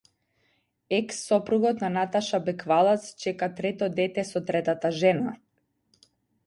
Екс сопругот на Наташа Беквалац чека трето дете со третата жена